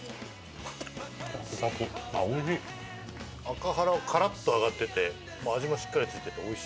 赤はらはカラッと揚がってて味もしっかり付いてておいしい。